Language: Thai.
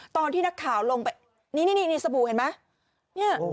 ตอนที่นักข่าวลงไปนี่สบู่เห็นไหม